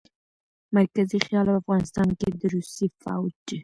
مرکزي خيال او افغانستان کښې د روسي فوج